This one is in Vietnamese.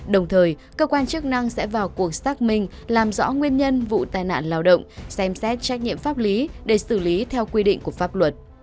đồng thời cơ quan chức năng sẽ vào cuộc xác minh làm rõ nguyên nhân vụ tai nạn lao động xem xét trách nhiệm pháp lý để xử lý theo quy định của pháp luật